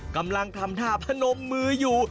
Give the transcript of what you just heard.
กำลังทำท่าพนมมืออยู่